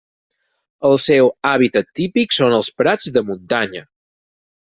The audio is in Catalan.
El seu hàbitat típic són els prats de muntanya.